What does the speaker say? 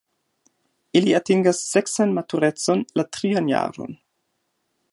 Ili atingas seksan maturecon la trian jaron.